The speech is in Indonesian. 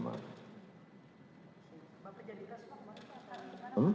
bapak jadi tes pak